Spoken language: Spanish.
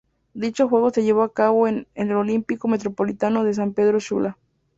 Dicho juego se llevó a cabo en el Olímpico Metropolitano de San Pedro Sula.